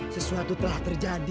sesuatu telah terjadi